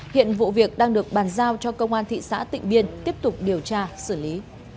hiện vụ việc đang được bàn giao cho công an thị xã tịnh biên tiếp tục điều tra xử lý